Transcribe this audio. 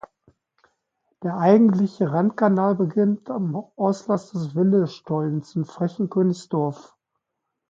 Der eigentliche Randkanal beginnt am Auslass des Ville-Stollens in Frechen-Königsdorf.